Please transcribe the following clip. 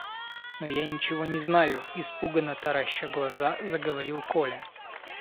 – Но я ничего не знаю, – испуганно тараща глаза, заговорил Коля.